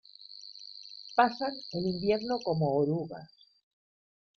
Pasan el invierno como orugas.